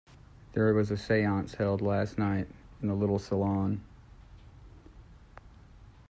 There was a seance held last night in the little salon.